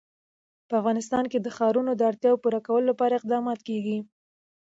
په افغانستان کې د ښارونه د اړتیاوو پوره کولو لپاره اقدامات کېږي.